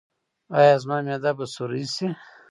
ایا زما معده به سورۍ شي؟